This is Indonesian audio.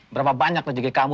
berapa banyak rejeki kamu